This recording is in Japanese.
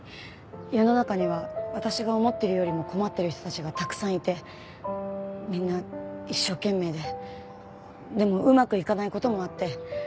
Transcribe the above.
世の中には私が思っているよりも困っている人たちがたくさんいてみんな一生懸命ででもうまくいかない事もあって。